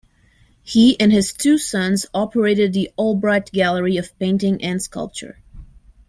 He and his two sons operated the Albright Gallery of Painting and Sculpture.